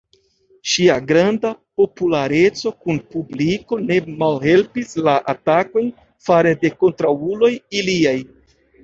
Ŝia granda populareco kun publiko ne malhelpis la atakojn fare de kontraŭuloj iliaj.